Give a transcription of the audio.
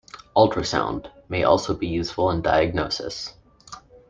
Ultrasound may also be useful in diagnosis.